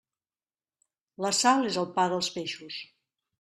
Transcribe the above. La sal és el pa dels peixos.